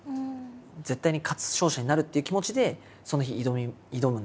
絶対に勝つ勝者になるという気持ちでその日挑むんですけ